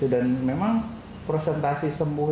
dan memang presentasi sembuh